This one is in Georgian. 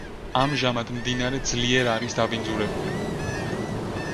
ამჟამად მდინარე ძლიერ არის დაბინძურებული.